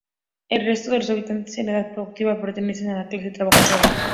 El resto de los habitantes en edad productiva pertenecen a la clase trabajadora.